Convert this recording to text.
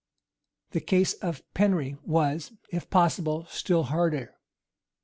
The case of Penry was, if possible, still hardier.